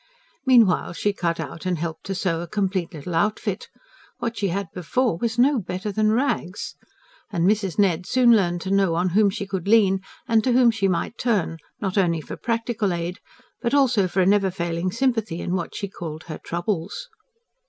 Meanwhile, she cut out and helped to sew a complete little outfit ("What she had before was no better than rags!"); and Mrs. Ned soon learned to know on whom she could lean and to whom she might turn, not only for practical aid, but also for a never failing sympathy in what she called her "troubles."